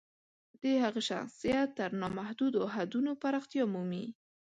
د هغه شخصیت تر نامحدودو حدونو پراختیا مومي.